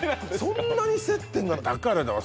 そんなに接点ないだからだわ